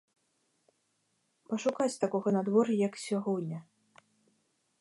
Пашукаць такога надвор'я, як сягоння.